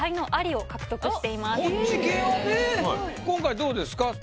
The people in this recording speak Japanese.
今回どうですか？